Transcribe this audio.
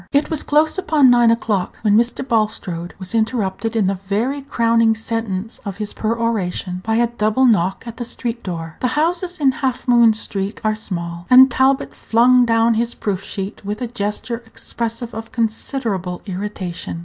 It was close upon nine o'clock when Mr. Bulstrode was interrupted in the very crowning sentence of his peroration by a double knock at the street door. The houses in Half Moon street are small, and Talbot flung down his proof sheet with a gesture expressive of considerable irritation.